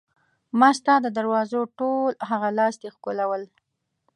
ما ستا د دروازو ټول هغه لاستي ښکلول.